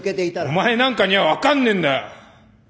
お前なんかには分かんねえんだよ！